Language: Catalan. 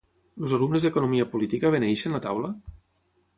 Els alumnes d'economia política beneeixen la taula?